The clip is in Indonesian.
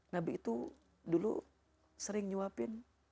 nabi itu dulu sering nyuapin